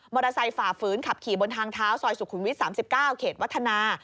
มอเตอร์ไซส์ฝ่าฝืนขับขี่บนทางเท้าซอยสุขุนวิท๓๙เขตวัฒนา